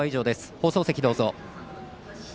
放送席、どうぞ。